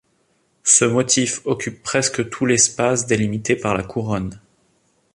Ce motif occupe presque tout l'espace délimité par la couronne.